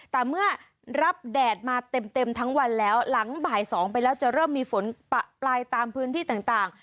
แต่เมื่อรับแดดมาเต็มทั้งวันแล้วหลังบ่าย๒ไปแล้วจะเริ่มมีฝนปะปลายตามพื้นที่ต่าง